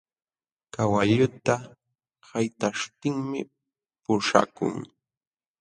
Kawalluta haytaśhtinmi puśhakun.